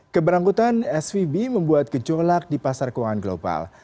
keberangkutan svb membuat gejolak di pasar keuangan global